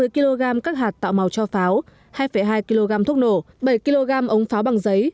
một mươi kg các hạt tạo màu cho pháo hai hai kg thuốc nổ bảy kg ống pháo bằng giấy